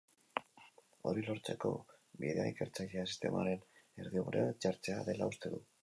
Hori lortzeko bidea ikertzailea sistemaren erdigunean jartzea dela uste du.